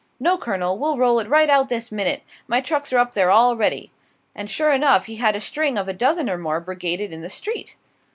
"No, colonel, we'll roll it right out this minnit! My trucks are up there, all ready." And, sure enough, he had a string of a dozen or more brigaded in the street.